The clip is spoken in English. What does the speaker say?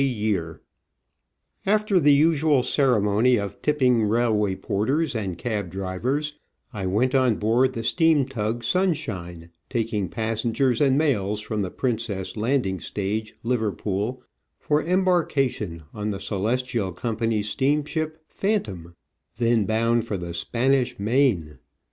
B Digitized by V:iOOQIC 2 Travels and Adventures After the usual ceremony of tipping railway porters and cab drivers I went on board the steam tug Sun shine, taking passengers and mails from the Princess Landing Stage, Liverpool, for embarkation on the Celestial Company's steamship Phantom, then bound for the Spanish Main.